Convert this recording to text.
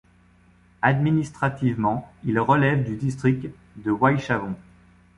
Administrativement, il relève du district de Wychavon.